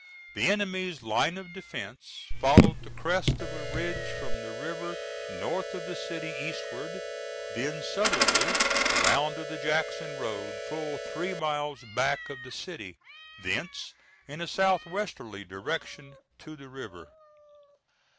The enemy's line of defence followed the crest of a ridge from the river north of the city eastward, then southerly around to the Jackson road, full three miles back of the city; thence in a southwesterly direction to the river.